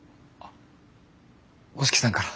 五色さんから。